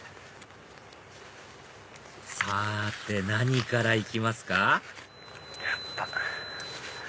さて何から行きますか？